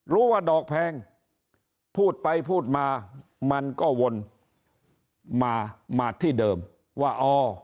ว่าดอกแพงพูดไปพูดมามันก็วนมามาที่เดิมว่าอ๋อ